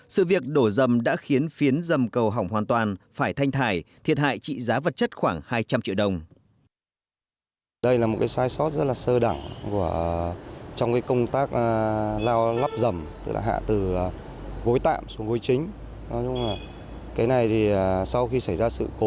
sự việc đổ dầm đã khiến phiến dầm cầu hỏng hoàn toàn phải thanh thải thiệt hại trị giá vật chất khoảng hai trăm linh triệu đồng